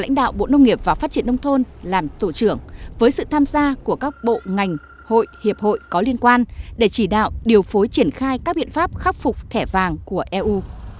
lãnh đạo bộ nông nghiệp và phát triển nông thôn làm tổ trưởng với sự tham gia của các bộ ngành hội hiệp hội có liên quan để chỉ đạo điều phối triển khai các biện pháp khắc phục thẻ vàng của eu